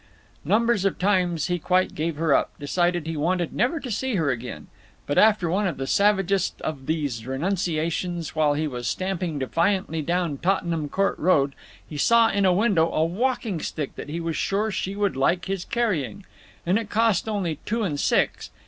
Numbers of times he quite gave her up, decided he wanted never to see her again. But after one of the savagest of these renunciations, while he was stamping defiantly down Tottenham Court Road, he saw in a window a walking stick that he was sure she would like his carrying. And it cost only two and six.